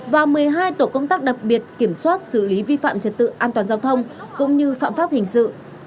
và một mươi hai tổ công tác đặc biệt kiểm soát xử lý vi phạm trật tự an toàn giao thông cũng như phạm pháp hình sự